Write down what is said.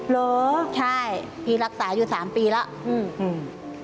เหรอใช่พี่รักษาอยู่สามปีแล้วอืม